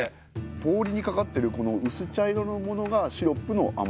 氷にかかってるこの薄茶色のものがシロップのあ